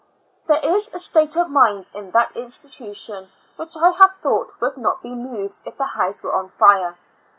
There is a state of mind in that institu tion which I have thought would not be moved if the house were on fire.